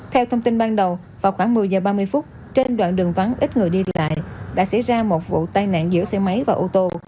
theo thông tin ban đầu vào khoảng một mươi h ba mươi phút trên đoạn đường vắng ít người đi lại đã xảy ra một vụ tai nạn giữa xe máy và ô tô